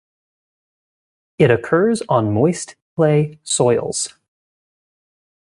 It occurs on moist, clay soils.